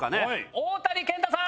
大谷健太さん！